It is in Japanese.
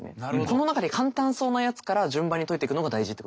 この中で簡単そうなやつから順番に解いていくのが大事ってことですね。